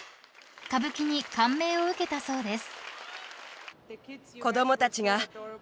［歌舞伎に感銘を受けたそうです］